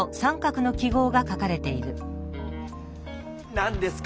何ですか？